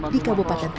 di kabupaten tangga